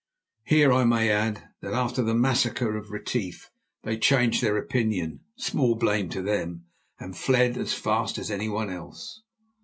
Here I may add that after the massacre of Retief they changed their opinion, small blame to them, and fled as fast as anyone else.